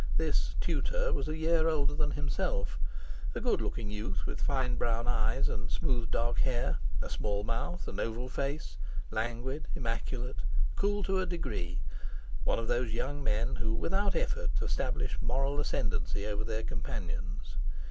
This "tutor" was a year older than himself, a good looking youth, with fine brown eyes, and smooth dark hair, a small mouth, an oval face, languid, immaculate, cool to a degree, one of those young men who without effort establish moral ascendancy over their companions.